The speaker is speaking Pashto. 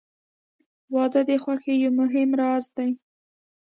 • واده د خوښۍ یو مهم راز دی.